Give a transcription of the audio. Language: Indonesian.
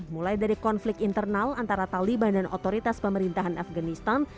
mulai dari konflik internal antara taliban dan otoritas pemerintahan afganistan